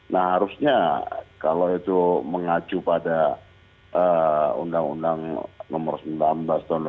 nah harusnya kalau itu mengacu pada undang undang nomor sembilan belas tahun dua ribu